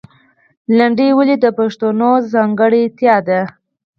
لندۍ ولې د پښتو ځانګړتیا ده؟